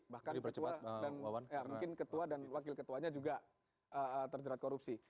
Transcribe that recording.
bahkan ketua dan wakil ketuanya juga terjerat korupsi